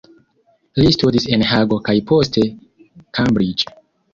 Li studis en Hago kaj poste Cambridge.